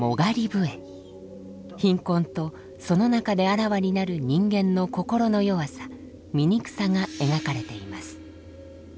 貧困とその中であらわになる人間の心の弱さ醜さが描かれています。